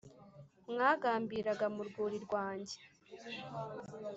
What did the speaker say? mwagambiraga mu rwuri rwange